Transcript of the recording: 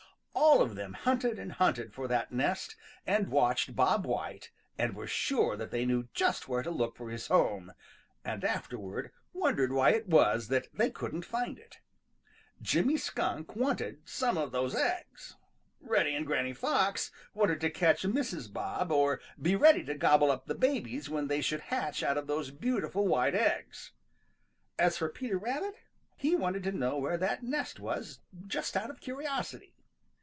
All of them hunted and hunted for that nest and watched Bob White and were sure that they knew just where to look for his home, and afterward wondered why it was that they couldn't find it. Jimmy Skunk wanted some of those eggs. Reddy and Granny Fox wanted to catch Mrs. Bob or be ready to gobble up the babies when they should hatch out of those beautiful white eggs. As for Peter Rabbit, he wanted to know where that nest was just out of curiosity.